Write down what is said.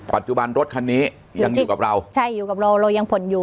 ปัจจุบันรถคันนี้ยังอยู่กับเราใช่อยู่กับเราเรายังผ่อนอยู่